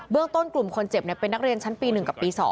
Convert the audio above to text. เบื้องต้นกลุ่มคนเจ็บเนี่ยเป็นนักเรียนชั้นปี๑กับปี๒